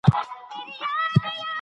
لوېدیځ تمدن علومو ته وده ورکړه.